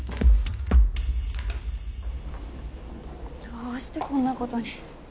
どうしてこんな事に。